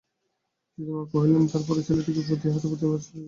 দিদিমা কহিলেন, তার পরে ছেলেটি পুঁথি হাতে প্রতিদিন পাঠশালে যায়।